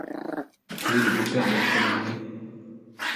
Il est le beau-père d'Alfred Binet.